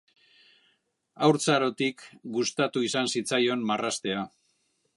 Haurtzarotik gustatu izan zitzaion marraztea.